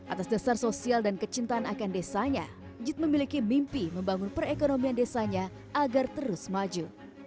atas dasar sosial dan kecintaan akan desanya jit memiliki mimpi membangun perekonomian desanya agar terus maju